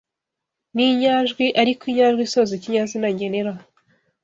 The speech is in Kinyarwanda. n’inyajwi ariko inyajwi isoza ikinyazina ngenera